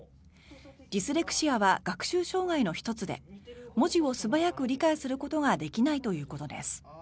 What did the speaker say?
ディスレクシアは学習障害の１つで文字を素早く理解することができないということです。